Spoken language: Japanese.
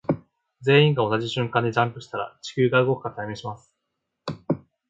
全員が同じ瞬間にジャンプしたら地球が動くか試します。